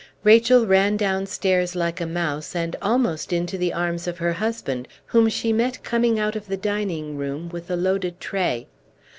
Rachel ran downstairs like a mouse, and almost into the arms of her husband, whom she met coming out of the dining room with a loaded tray.